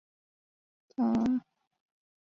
没有复原的方法